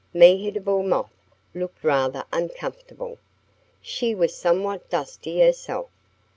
Mehitable Moth looked rather uncomfortable. She was somewhat dusty herself.